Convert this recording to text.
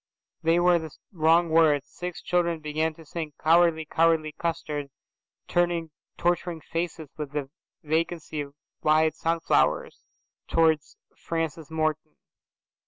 They were the wrong words. Six children began to sing, "Cowardy cowardy custard," turning torturing faces with the vacancy of wide sunflowers towards Francis Morton.